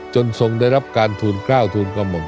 ทรงได้รับการทูลกล้าวทูลกระหม่อม